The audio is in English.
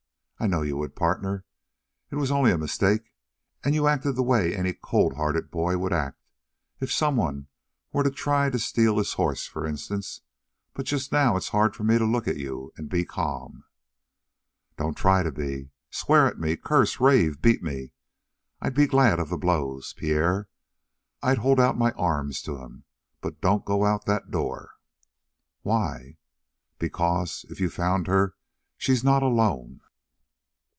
I know you would, partner. It was only a mistake, and you acted the way any coldhearted boy would act if if someone were to try to steal his horse, for instance. But just now it's hard for me to look at you and be calm." "Don't try to be! Swear at me curse rave beat me; I'd be glad of the blows, Pierre. I'd hold out my arms to 'em. But don't go out that door!" "Why?" "Because if you found her she's not alone."